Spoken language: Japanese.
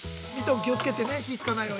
◆気をつけてね。